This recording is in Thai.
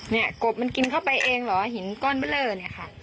เนี่ยกบมันกินเข้าไปเองเหรอหินก้อนปะเลย